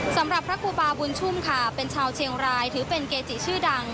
สำหรับพระครูบาบุญชุ่มค่ะเป็นชาวเชียงรายถือเป็นเกจิชื่อดัง